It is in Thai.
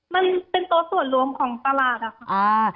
มันเป็นโต๊ะส่วนรวมของประหลาด